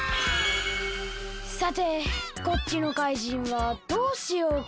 さてこっちのかいじんはどうしようか？